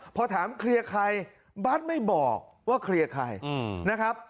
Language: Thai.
พอถามเคลียร์ใครบัตรไม่บอกว่าเคลียร์ใครนะครับ